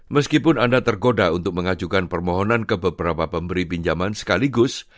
meskipun anda tergoda untuk mengajukan permohonan ke beberapa pemberi pinjaman sekaligus